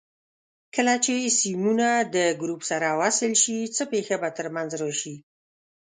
کله چې سیمونه د ګروپ سره وصل شي څه پېښه به تر منځ راشي؟